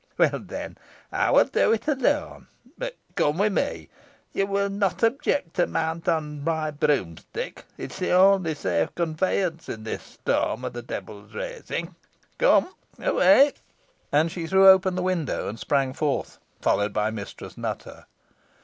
Well, then, I will do it alone. But come with me. You will not object to mount upon my broomstick. It is the only safe conveyance in this storm of the devil's raising. Come away!" And she threw open the window and sprang forth, followed by Mistress Nutter.